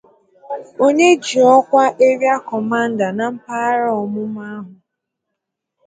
Onye ji ọkwa 'Area Commander' n mpaghara ọmụma ahụ